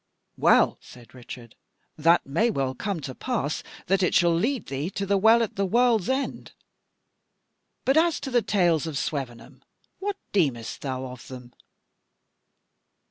"Well," said Richard, "that may well come to pass, that it shall lead thee to the Well at the World's End. But as to the tales of Swevenham, what deemest thou of them?"